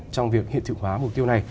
trong việc hiện thực hóa mục tiêu này